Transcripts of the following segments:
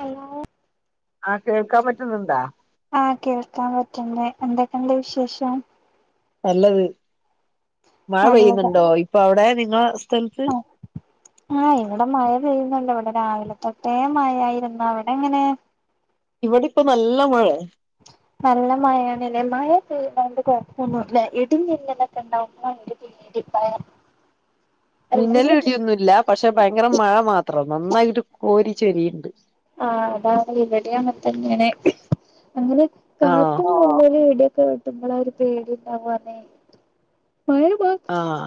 Hello ആഹ് കേൾക്കാൻ പറ്റ്ന്ന്ണ്ടാ ആഹ് കേൾക്കാം പറ്റ്ണ്ട് എന്തൊക്കെ ണ്ട് വിശേഷം നല്ലത് മഴ നല്ലത് പെയ്യ്ന്ന്ണ്ടോ ഇപ്പൊവ്ടെ നിങ്ങളെ സ്ഥൽത്ത് ആഹ് ആഹ് ഇവടെ മഴ പെയ്യ്‌ന്നുണ്ട് ഇവടെ രാവിലെ തൊട്ടെ മഴായിരുന്നു. അവ്ടെ എങ്ങനെ ഇവിടിപ്പം നല്ല മഴെ നല്ല മഴ ആണ് ലെ മഴ പെയ്യ്‌ണോണ്ട് കൊഴപ്പൊന്നും ഇല്ലാ ഇടിം മിന്നലൊക്കെ ഇണ്ടാവുമ്പം ഒരു പേ [unintelligible] മിന്നലും ഇടിയൊന്നുല്ല പക്ഷേ ഭയങ്കര മഴ മാത്രം നന്നായിട്ട് കോരി ചൊരിയ്ണ്ട് ആഹ് അതാണ് ഇവടിം അങ്ങത്തന്നേണ് അങ്ങനെ ആണോ കാറ്റോ വല്ല്യ ഇടിയൊക്കെ വെട്ടുമ്പളാ ഒര് പേടി ഇണ്ടാവാന്നേ. മഴ മാ ആഹ്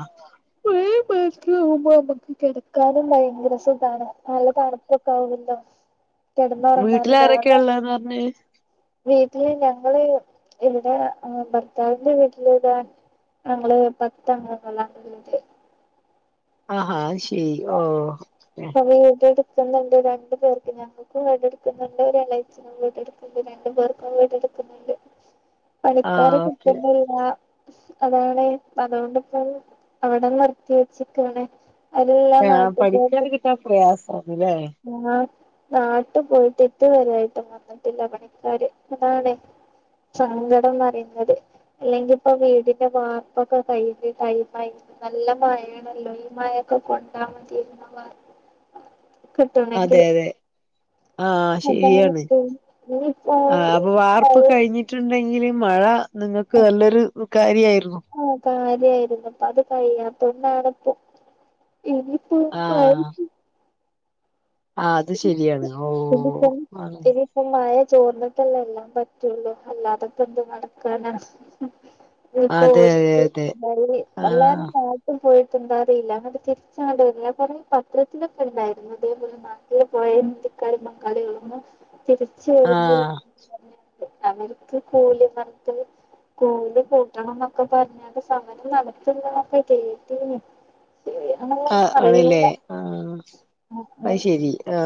[unintelligible] ഈ പേസ്ട്രി ചെയുമ്പോ നമ്മക്ക് കിടക്കാനുംക്കാനും ഭയങ്കര സുഖാണ്. നല്ല തണുപ്പൊക്കെ ആവുമ്പൊ കെടന്നൊറങ്ങാന് വീട്ടില് ആരൊക്കെയാ [unintelligible] ഉള്ളേന്ന് പറഞ്ഞേ വീട്ടില് ഞങ്ങള് ഇവിടെ ഭർത്താവിന്റെ വീട്ടില് ഇതാ ഞങ്ങള് പത്തംഗങ്ങളാണ് ഇള്ളത് ആഹാ അത് ശരി ഓ വീട് എടുക്കുന്നുണ്ട് രണ്ടു പേർക്ക് ഞാൻ ഞങ്ങക്കും വീടെടുക്കുന്നുണ്ട്, ഒരേളഛനും വീടെടുക്കുന്നുണ്ട്. രണ്ട് പേർക്കും വീടെടുക്കുന്നുണ്ട്. പണിക്കാരെ ആഹ് ഓക്കെ കിട്ടുന്നി - ആ അതാണ് അതുകൊണ്ടിപ്പം അവിടെ നിർത്തി വെച്ച്ക്കാണ്. അതെല്ലാം നാട്ട് പോയിട്ട്. ഒക്കെ പ്രയാസാണ്ല്ലേ. ആ നാട്ട് പോയിട്ട് ഇത്‌വരായിട്ടും വന്ന്ട്ടില്ല പണിക്കാര് അതാണെ സങ്കടംന്നറയുന്നത് അല്ലെങ്കിപ്പ വീടിന്റെ വാർപ്പൊക്കെ കയ്യുമ്പോ [unintelligible] നല്ല മഴേണ് ണല്ലേ ഈ മഴക്കെ കൊണ്ടാമത്യാരുന്നു വാർപ്പിന് അതെ അതെ ആ അതാണ് ശരിയാണ് ഇനിയിപ്പോ ആ അപ്പൊ വാർപ്പ് കഴിഞ്ഞിട്ട് ണ്ടെങ്കില് മഴ നിങ്ങക്ക് നല്ലൊരു കാര്യായിരുന്നു. ആ കാര്യായിരുന്നു. ഇപ്പത് കഴിയാത്തോണ്ടാണ്പ്പൊ എന്നിപ്പോ ആഹ് ആ അത് ശരിയാണ് ഓ ആ ഇപ്പം മയ ചോർന്നട്ടല്ലേ എല്ലാം പറ്റുള്ളു അല്ലാതൊക്കെ എന്ത് നടക്കാന ഇപ്പൊ അതെ അതെ ഓർക് അതെ ആഹ് [unintelligible] മ് പോയിട്ട്ണ്ടാറില്ല അങ്ങെ തിരിച്ചങ്ങട്ട വന്ന ഞാ പറഞ്ഞ പത്രത്തിലൊക്കെ ണ്ടായിരുന്നു അേപലെ [unintelligible] തിരിച്ച് വര്മ്പം ആഹ് അവര്ക്ക് കൂലി [unintelligible] കൂലി കൂട്ടണം ന്നൊക്കെ പറഞ്ഞാണ്ട് സമരം നടത്ത്ണ്ട് ന്നൊക്കെ കേട്ടിനി ആ ആണ്ല്ലേ ആ അയിശരി ആ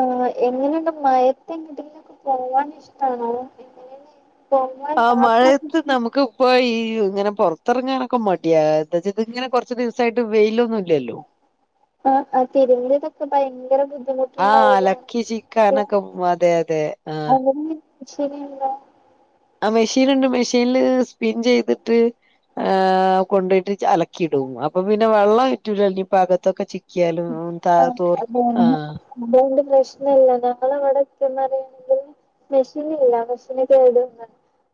ആ എങ്ങനെയണ്ട് മയത്ത് എങ്ങട്ടെങ്കിലും പോവാൻ ഇഷ്ട്ടാണോ എങ്ങനെ ആ മഴയത്ത് നമുക്ക് [unintelligible] ഇങ്ങനെ പുറത്തിറങ്ങാനൊക്കെ മടിയാ എന്താച്ച ഇത് ഇങ്ങനെ കൊറച്ച് ദിവസായിട്ട് വെയിലൊന്നുല്ലല്ലോ ആ അ തിര്മ്പ്ണതൊക്കെ ഭയങ്കര ആഹ് ബുദ്ധിമുട്ട്ണ്ടാവോല്ലോ അലക്കി ലെ ചിക്കാനൊക്കെ അതെ അതെ ആഹ് അങ്ങനന്യേ ശരിയാണല്ലോ ആ മെഷീന്നുണ്ട് മെഷീനില് സ്പിൻ ചെയ്ത്ട്ട് ഏ കൊണ്ടോയിട്ട് അലക്കിടും അപ്പൊ പിന്നെ വെള്ളറ്റൂല്ലല്ലോ ഇഭാഗത്തൊക്ക ചി ക്കിയാലും മ് ത തൊർ ആഹ് അത്കൊണ്ട് പ്രശ്നല്ലട ഞങ്ങളെ ഇവടെ [unintelligible] പറയാണെങ്കില് മെഷീന് ഇല്ല മെഷീനിട്ട വീട്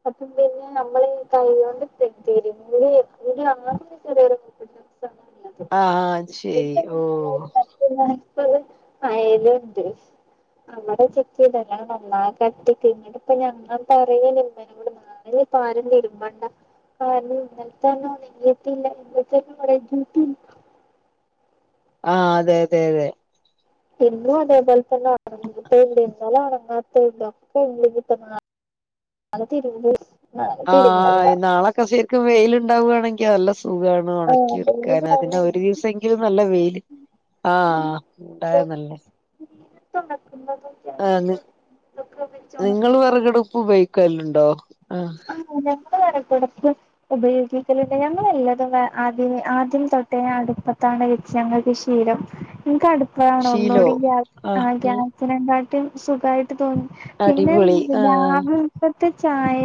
അപ്പം പിന്നെ നമ്മൾ കൈകൊണ്ട് സ്റ്റിച്ചെയ്യും [unintelligible] [inaudible] ആഹ ശരി ഓ [unintelligible] [unintelligible] അങ്ങനെ പ്പാരും തിര്മ്പണ്ട [unintelligible] ആഹ അതെയതെ അതെ എന്നും അതേപോലെതന്ന അറങ്ങട്ട ഇന്നലെ [unintelligible] [unintelligible] തിരൂര് ആഹ നാളൊക്കെ ശരിക്കും വെയിലുണ്ടാവുകയാണെങ്കിൽ നല്ല സുഖമാണ്. ആഹ് ഉണക്കിയെടുക്ക വെയിലത്ത് അതിെ ഒരു ദിവസെങ്കിലും നല്ല വെയില്. ആഹ ഉണ്ടായിുന്നല്ലേ. [unintelligible] ഇതൊക്കെ വെച്ച് നിങ്ങള്ൾ ഉണക്കുന്നതും വിറകടപ്പ്പയിക്കല്ലണ്ടോ ആ. ആ ഞങ്ങൾ വറക് എടുക്ക. ഉപയോഗിക്കല് ണ്ട് ഞങ്ങൾല്ലാതും ആദ്യ ആദ്യം തൊട്ടേ അടുപ്പത്താണ്. ഞങ്ങൾക്ക് ശീലം നിങ്ങക്ക് അടുപ്പണോ ശീലോ ഒന്നുകൂടി ആ ആഹ് ക്യാ ക്യാ. ഉം അതിനെക്കാട്ടും സുഖമായിട്ട് തോന്നി അടിപൊളി പിന്നെന്ത ആഹ് രാവിൽക്കത്തെ ചായ.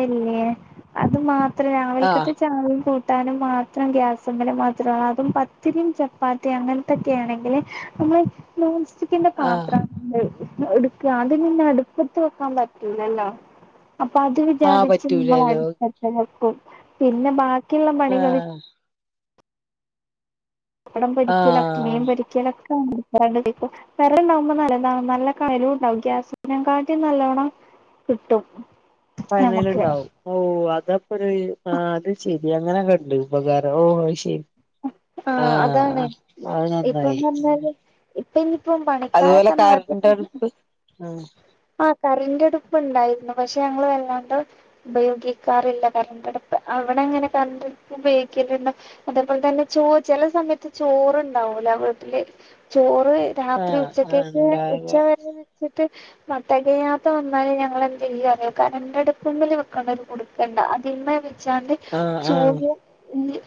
അത് മാത്രം ആഹ് രാവൽക്കത്തെ. ചായയും കൂട്ടാനും മാത്രം ഗ്യാസമ്മ ല് മാത്രമാക്കുംഅതും പത്തിരിയും ചപ്പാത്തി. അങ്ങനത്തൊക്കെ ആണെങ്കിൽ നമ്മൾ നോൺ സ്റ്റിക്കിന്റെ ആഹ് പാത്രം. എടുക്ക അതി പിന്ന അടുപ്പത്ത് വെക്കാൻ പറ്റൂലല്ലോ. അപ്പൊ അത് ആഹ് വിചാരിച്ച് നമ്മൾ പറ്റൂലല്ലോ അടു പത്ത് വെക്കും പിന്നെ ബാക്കിയുള്ള പണികൾ. ആഹ് പപ്പടം പരിക്കല മീൻ ആഹ് പരിക്കലൊക്കെ [unintelligible] വറു കുണ്ടാവുമ്പോ നല്ല താകും ഉണ്ടാവും നല്ല കണ്ലൂണ്ടാവും ഗ്യാസ് നെ കാട്ടും നല്ലോവണം. കിട്ടും. ഫനൽ നമുക്ക് ഉണ്ടാവും. ഓ അതപ്പോഴ് ആ അത് ശരി അങ്ങനെയൊക്കെ ഉണ്ട് ഉപകാരം ഓ ശരി. ആഹ് ആഹ അതാണ് അത് നന്നായി. ഇപ്പന്ന് പറഞ്ഞാല് ഇപ്പൊ ഇനിയിപ്പം അതുപോലെ പണിക്കാരൊക്കെ കറണ്ടടുപ്പ് മ്മ്. ആഹ കറണ്ട്അടുപ്പ ഉണ്ടായിരുന്നു പക്ഷെ ഞങ്ങള് വല്ലാണ്ട്. ഉപയോഗിക്കാറില്ല കറണ്ട്ടപ്പ് അവിടെ അങ്ങനെ കറണ്ട് അടുപ്പ് ഉപയോഗിക്കലുണ്ട? അതേപോൽതന്നെ ചോ ചില സമയത്ത് ചോറുണ്ടാവൂല വീട്ടില് ചോറ് രാത്രി ആഹ് ആഹ് ഉച്ചക്കക്കെ ഉണ്ടാക ഉച്ച വരെ വെച്ചിട്ട് വ തെകയാതെ വന്നാല് ഞങ്ങളെന്തെയ്യും അറിയോ കരന്റട്പ്പ്മ്മല് വെക്ക്ണൊരു കുട് ണ്ട അതി മെമവെച്ചാണ്ട് ആഹ് ആഹ് ചൂട്.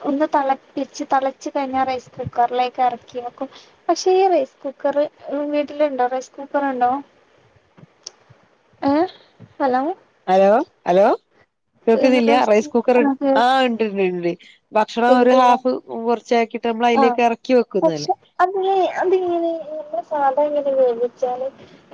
ഒന്ന് തിളപ്പിച്ച് തളച്ച്കഴിഞ്ഞാൽ റൈസ് കുക്കറിലേക്ക് ഇറക്കിയക്കും. പക്ഷെ ഈ റൈസ് കുക്കർ വീട്ടിലുണ്ടോ റൈസ് കുക്കർുണ്ടോ? ഏഹ ഹലോ. ഹലോ ഹലോ കേക്കുന്നില്ല റൈസ് കുക്കർ ആഹ ഉണ്ടണ്ട് ഉണ്ട്. ഭക്ഷണം ഒരു ഹാഫ് കുറച്ചക്കി. ആ പക്ഷെ അതിെ അതിങ്ങനെ നമ്മുടെ സാധ എങ്ങനെ വേവിച്ചാല്.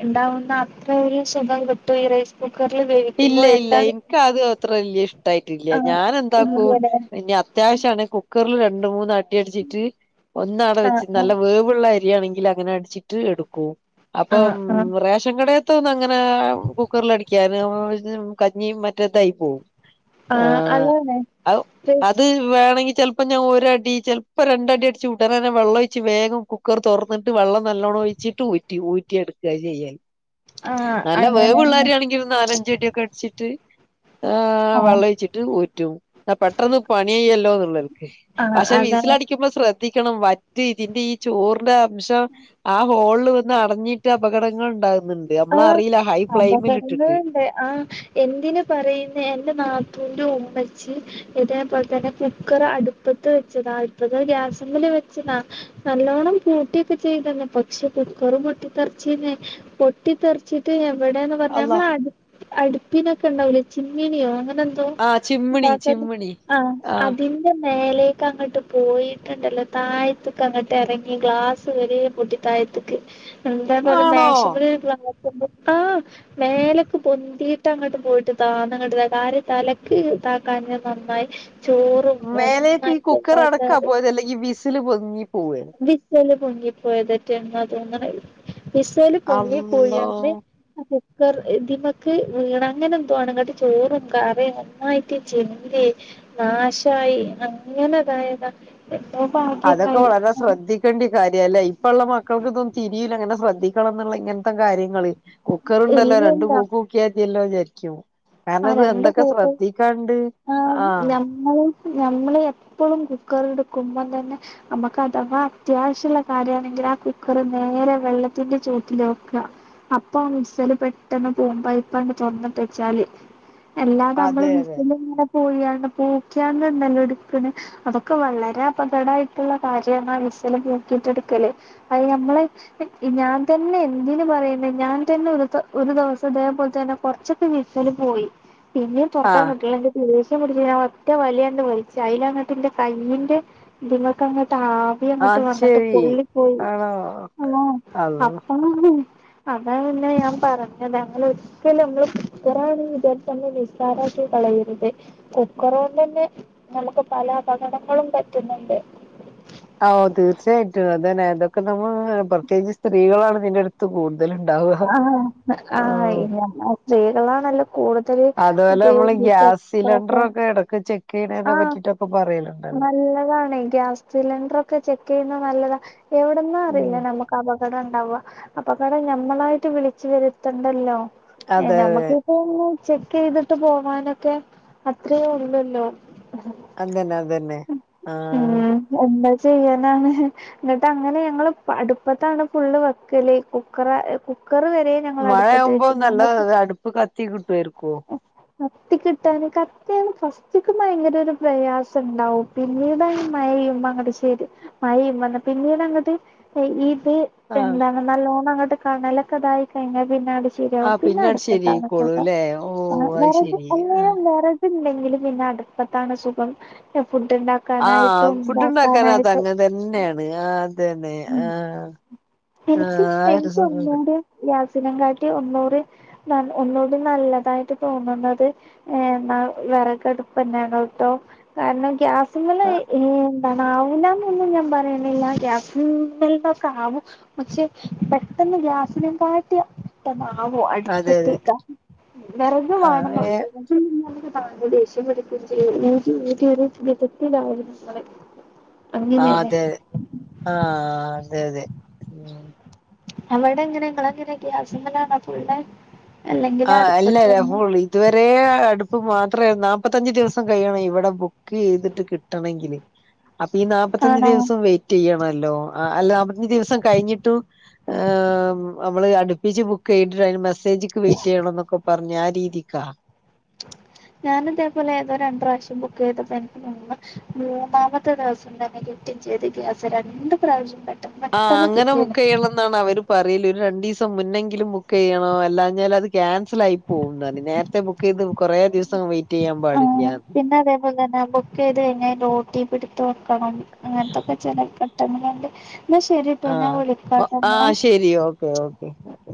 ഉണ്ടാവുന്ന അത്ര ഒരു സുഖം കിട്ടോ ഈ റൈസ്. കുക്കറിൽ വേവിക്കുമ്പോ ഇല്ല ഇല്ല എന്താണ് ഇൻകത് അത്ര വല്ല്യ ഇഷ്ടായിട്ടില്ല ആഹ് ഞാനെന്താക്കൂ ഇല്ലല്ലേ ഇനി അത്- അത്യാവിശ്യാണ് കുക്കെറിൽ രണ്ട് മൂന്ന് അടി അടിച്ചിട്ട് ഒന്ന് അവടെ ആഹ് വെച്ച് നല്ലെ വേവ് വ്ള്ള അരിയാണെങ്കില് അങ്ങനെ അട്ച്ചിട്ട് എടുക്കും. അപ്പം ആഹ് ആഹ് റേഷൻ കടേ ഇത്തൊന്നും അങ്ങെനെ കുക്കറിൽ അടിക്കാന് കഞ്ഞി മറ്റേതായി പോവും. ആഹ് ഔ അത് വേണെങ്കി ചെൽപ്പം ഞാൻ ഒരടി ചെൽപ്പെ രണ്ടടി അടിച്ച് ഉടനെന്നേ വെള്ളൊഴിച്ച് വേഗം കു ക്കർ തൊർന്നിട്ട് വെള്ളം നല്ലോണം ഒഴിച്ചിട്ട് ഊറ്റി ഊറ്റി എട്ക്ക ചെയ്യെല് ആഹ് നല്ല അങ്ങനെ വേവ്ള്ള അരിയാണെങ്കിലും നാലഞ്ച് അടിയൊക്കെ അട്ച്ചിട്ട് ആഹ് വെള്ളൊയ്ച്ചിട്ട് ഊറ്റും ആഹ് പെട്ട്രന്ന് പണിയയ്യല്ലോന്ന്ള്ളെല്ക്കെ ആഹ് പക്ഷേ അതാണ് വിസിലടിക്ക്യുമ്പോ ശ്രദ്ധിക്കണം വറ്റ് ഇതിന്റെ ഈ ചോറ്ന്റെ അംശം ആ ഹോള്ല് വന്ന് അടഞ്ഞിട്ട് അപകടങ്ങൾ ഇണ്ടാവ്ന്ന്ണ്ട് അമ്മളറീല്ല ഹൈ ഫ്ലെയിമില് ഇട്ടിട്ട് ഇണ്ടെ ആഹ്. എന്തിന് പറയുന്നെ എന്റെ നാത്തൂന്റെ ഉമ്മച്ചി ഇതേപ്പോല്ത്തന്നെ കുക്കർ അട്പ്പത്ത് വെച്ചതാ ഇപ്പത് ഗ്യാസ്മ്മല് വെച്ചെതാ നല്ലോണ്ണം പൂട്ടിയൊക്കെ ചെയ്ത്ണ് പക്ഷെ കുക്കെർ പൊട്ടി ത്തെർച്ചിണ് പൊ ട്ടിത്തെറ്ച്ചിട്ട് എവിടേന്ന് പറ്ഞ്ഞാ അള്ളാ അമ്മളെ അട് അടുപ്പിനൊക്കെ ഇണ്ടാവൂലെ ചിമ്മിനിയോ അങ്ങനെ ആഹ് ചിമ്മിണി [unintelligible] ചിമ്മിണി ആഹ് അതി മേലേക്കങ്ങട്ട് പോയിട്ട്ണ്ടല്ലോ തായ്ത്ത്ക്ക് അങ്ങട്ടെറങ്ങി ഗ്ലാസ് വെരെ പൊട്ടി തായ്ത്ത് എന്താപ്പത് ആണോ മേഷെമ്മെല് [unintelligible] ആഹ് മേലെക്ക് പൊന്തീട്ടങ്ങട്ട് പോയിട്ട് താന്നങ്ങട്ട് [unintelligible] തലെക്ക് ത ക്കാഞ്ഞെ നന്നായി. ചോറും മേലേക്ക് ഈ കുക്കർ ഒന്നായിട്ട് അടക്കാ പോയെത് അല്ലെങ്കി ഈ വിസില് പൊങ്ങി പോവെ? വിസെല് പൊങ്ങിപ്പോയതെറ്റേന്നാ തോന്ന്ണെ വിസെല് അള്ളോ പൊങ്ങിപ്പോയാണ്ട് അതെ ക്കർ എന്തിമ്മെക്ക് വീണ് അങ്ങനെന്തോ ആണ് ഇങ്ങെട്ട് ചോറും കറിയും ഒന്നായിട്ട് ചിന്തി നാശായി അങ്ങെനെ ഇതായത. [unintelligible] അതൊക്കൊ ഓരോ ശ്രദ്ധിക്കേണ്ടി കാര്യല്ലേ ഇപ്പ ഇള്ള മക്കൾക്ക് ഇതൊന്നും തിരിയൂല ഇങ്ങനെ ശ്രദ്ധിക്കണം എന്നുള്ള ഇങ്ങനത്തെ കാര്യങ്ങള്. കുക്കറ്ണ്ടല്ലോ രണ്ട് ഇല്ലല്ല കൂക്കുക്കിയാത്തിയല്ലോ വിചാരിക്ക്യും ആ കാരണം ഇത് രണ്ട് എന്തൊക്കെ ശ്രദ്ധിക്കാണ്ട് ആഹ്. നോക്കി ഞമ്മൾ എപ്പളും കുക്കർ എട്ക്കുമ്പം തന്നെ അമ്മക്ക് അഥവാ അത്യാവശ്യള്ള കാര്യണെങ്കിൽ ആ കുക്കറ് നേരെ വെള്ളത്തിന്റെ ചോട്ടില് വെക്ക അപ്പം വിസെല് പെട്ടെന്ന് പോവും പൈപ്പാണ്ട് തൊർന്ന്ട്ടെച്ചാല് അല്ലാതെ അമ്മള് അതെ അതെ വിസില് ഇങ്ങനെ പോയാണ്ട് പോക്കിയാണ്ട് ഇണ്ടല്ലോ ഇട്ക്ക്ണ് അതൊക്കെ വളെരെ അപകടായിട്ടുള്ള കാര്യണ് വിസെല് പോക്കിട്ട് എട്ക്കല് അഹ് ഞമ്മള് ഹെ ഇ ഞാൻ തന്നെ എന്തിന് പറയുന്ന് ഞാൻ തന്നെ ഒരുസ ഒരു ദിവസം ഇതേപോലെ തന്നെ കൊറച്ചൊക്കെ വിസില് പോയി പിന്നെയും ആഹ് ത്തെറക്കാൻകിട്ടിലെങ്കി ദേഷ്യം പിടിച്ച് ഞാൻ ഒറ്റ വലിയണ്ട് വലിച്ച് അയിലങ്ങട്ടിന്റെ കയ്യിന്റെ ഇത്ങ്ങൾക്കങ്ങട്ടാ തി അങ്ങട്ട് അത് വന്ന്ട്ട് ശരി പൊള്ളി പോയി ആണോ ആഹ് അള്ളാ അപ്പം വെന്തിനീ അതാപിന്നെ ഞാൻ പറഞ്ഞത് അങ്ങനെ ഒരിക്കലുഅമ്മൾ കുറാണ് അ ഇതൊക്കൊന്ന് നിസ്സാരാക്കി കളയെരുത് കുക്കറോണ്ടന്നെ ഞമ്മക്ക് പല അപകടങ്ങളും പറ്റുന്നുണ്ട് അഹ് ഓ തീർച്ചയായിട്ടും അതന്നെ അതൊക്കെ നമ്മള് പ്രത്യേകിച്ച് സ്ത്രീകളാണ് ഇതിന്റടുത്ത് കൂട് ഇതിലിണ്ടാവ് ആഹ് ആഹ് ഇ ഞമ്മ ചെയ്തതാണ് കൂടുതല് ഉപയോഗിക്കാ കൊറേശ്ശെ എടക്ക് ചെക്കെയ്ണേ ആഹ് നല്ലതാണെയ് ഗ്യാസ് സിലിണ്ട്രൊക്കെ ചെക്ക് ചെയ്യുന്ന നല്ലതാ എവടുന്നാ ഉം അറീല്ല അമ്മക്ക് അപകടംഇണ്ടാവ അപകടം ഞമ്മളായിട്ട് വിളിച്ച് വെരുത്തണ്ടല്ലോ? ഏ അതെ അതെ ഞമ്മക്കിപ്പോ ചെക്ക് ചെയ്തിട്ട് പോവാനൊക്കെ അത്രേയൊള്ളല്ലോ? അതെന്നെ അതെന്നെ ആഹ് ഉം എന്താ ചെയ്യാനാണ് ന്നിട്ട് അങ്ങനെ ഞങ്ങള് അടുപ്പത്താണ് ഫുള്ള് വെക്കല് കുക്കറ കുക്കർവെരെ മഴയാവുമ്പോ നല്ല അടുപ്പ് കത്തി കിട്ടുവായിരിക്കോ? കത്തിക്കിട്ടാൻ കത്തിയാണ് ഫസ്റ്റ് ഭയങ്കര ഒര് പ്രയാസണ്ടാവും പിന്നീട് മയേയുമ്പോ അങ്ങട് ശെരി മയയും വന്ന പിന്നീടങ്ങ്ട്ട് എ ഈത് ആഹ് എന്താണ് നല്ലോണം അങ്ങട്ട് കടലൊക്കെതായി കഴിഞ്ഞ പിന്നടി ശരിയാവും ആഹ് പിന്നെ അത് അടുത്ത താമസൊക്ക ശരിയായിക്കോളൂല്ലേ ഓ അങ്ങ് അത് വേറേത് ശരി ആഹ് അന്നേരം വേറെ ത്ണ്ടെങ്കിലും പിന്നെ അടുപ്പത്താണ് സുഖം ഫുഡ്ണ്ടാ ആഹ് ഫുഡ് ഉണ്ടാക്കാനാതങ്ങ അതുതന്നയാണ് ആഹ് അതെന്നെ ഉം ആഹ് ആഹ് ആ ഒര് സുഖം കി ഗ്യസിനെകാട്ടി ഒന്നൂറിം ന്ന ഒന്നൂടിം നല്ലതായിട്ട് തോന്നുന്നത് ഏഇന്നാ വെറകടുപ്പ്ന്നെയാണ്ട്ട്ടോ കാരണം ഗ്യാസി ആഹ് ഏ എന്താണ്ആവിന്നൊന്നും ഞാൻ പറയ്ണില്ല ഗ്യസ് യൂസെൽതൊക്കാവും പക്ഷേ പെട്ടെന്ന് ഗ്യാസിനെം കാട്ടിയ പെട്ടന്നവോ അതെ അതെ അടുപ്പത്ക്കാ വെറക് ആഹ് വേണെന്നൊള്ളു. ഏഹ് ആകെ ദേഷ്യം പിടിക്കും ചെയ്യും ഊതി ഊതി ഒരു വിധത്തിലാവും നമ്മള് ആഹ് അങ്ങനെലെ അതെ അതെ ആഹ് അതെ അതെ മം അവടെ എങ്ങനെ ഇങ്ങളങ്ങനെ ഗ്യാസ്മ്മലാണോ ഫുള്ള് അല്ലെങ്കിൽ അടുപ്പതണോ? ഇതുവെരെ അടുപ്പ് മാത്രേയിരുന്നു നാല്പത്തഞ്ച് ദിവസം കഴിയണം ഇവടെ ബുക്ക് ചെയ്തിട്ട് കിട്ടണെങ്കില് [inaudible] അപ്പൊ ഈ നാല്പത്തഞ്ചു ആണോ ദിവസം വെയിറ്റ് ചെയ്യണല്ലോ അല്ല നാല്പത്തഞ്ചു ദിവസം കഴിഞ്ഞിട്ടു ഏ അമ്മള് അടുപ്പിച്ച് ബുക്ക് ചെയ്തിട്ട് അയിന് മെസ്സേജ്ക്ക് വെ റ്റെയ്യണംന്നൊക്കെ പറഞ്ഞ് ആ രീതിക്കാ [inaudible] ഞാനിതേപോലെ ഏതോ രണ്ട് പ്രാവശ്യം ബുക്ക് ചെയ്തപ്പോ എനിക്ക് മൂന്ന് മൂന്നാമത്തെ ദിവസം തന്നെ കി റ്റ് ഇച്ചൊരു ഗ്യാസ് രണ്ട് പ്രാവിശ്യം ആഹ് അങ്ങനെ ബുക്കെയ്ണ ന്നാണ് അവര് പറയല് ഒര് രണ്ടീസം മുന്നെങ്കിലും ബുക്കെയ്യണം അല്ലഞ്ഞാൽ അത് ക്യാൻസലായി. പോവുന്ന് പറഞ് നേരത്തെ ബുക്കെയ്ത് കൊറേ ദിവസം വെയ് ആഹ് പിന്നതെ പ്പങ്ങനെ ബുക്കെയ്ത് കഴിഞ്ഞാ അയ്ന്റെ ഒ ട്ടി പി ഇട്ത്ത് വെക്കണം അങ്ങനത്തൊക്കെ ചെലേ ഘട്ടങ്ങള്ണ്ട് ന്നശെരിട്ടോ ഞാൻ ആഹ് വിളിക്കാട്ടോ ആഹ് നിങ്ങളെ ശരി ഓക്കെ ഓക്കെ ഓക്കെ